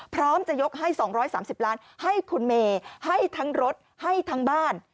พร้อมจะยกให้๒๓๐ล้านให้คุณเมย์ให้ทั้งรถให้ทั้งบ้าน